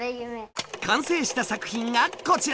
完成した作品がこちら！